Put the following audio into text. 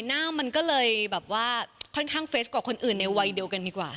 หน้ามันก็เลยแบบว่าค่อนข้างเฟสกว่าคนอื่นในวัยเดียวกันดีกว่า